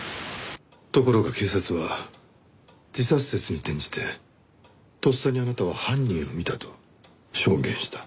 ところが警察は自殺説に転じてとっさにあなたは犯人を見たと証言した。